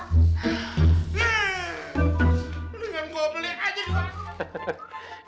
dengan kopelin aja dong